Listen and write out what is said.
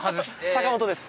坂本です。